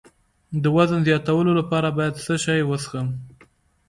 د وزن زیاتولو لپاره باید څه شی وڅښم؟